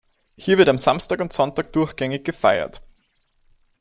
Hier wird am Samstag und Sonntag durchgängig gefeiert.